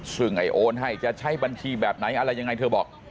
ซึ่งไอ้โอนให้จะใช้บัญชีแบบไหนอะไรยังไงเธอบอก